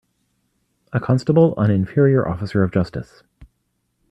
A constable an inferior officer of justice